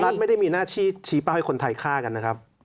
รัฐไม่ได้มีหน้าที่ชี้เป้าให้คนไทยฆ่ากันนะครับ